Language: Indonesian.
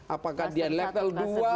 apakah dia level dua